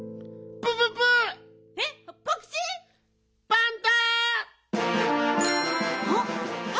パンタ！